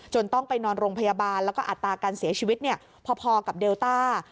ต้องไปนอนโรงพยาบาลแล้วก็อัตราการเสียชีวิตพอกับเดลต้า